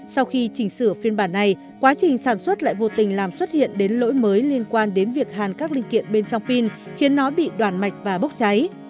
sau khi chỉnh sửa phiên bản này quá trình sản xuất lại vô tình làm xuất hiện đến lỗi mới liên quan đến việc hàn các linh kiện bên trong pin khiến nó bị đoàn mạch và bốc cháy